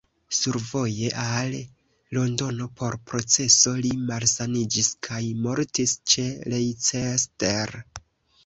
Survoje al Londono por proceso, li malsaniĝis kaj mortis ĉe Leicester.